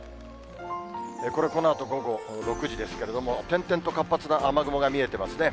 これ、このあと午後６時ですけれども、点々と活発な雨雲が見えてますね。